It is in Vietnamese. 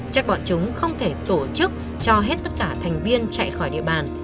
chắc bọn chúng không thể tổ chức cho hết tất cả thành viên chạy khỏi địa bàn